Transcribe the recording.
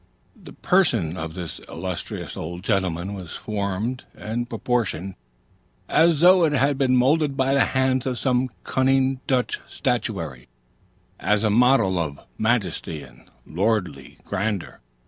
The person of this illustrious old gentleman was formed and proportioned as though it had been moulded by the hands of some cunning Dutch statuary, as a model of majesty and lordly grandeur.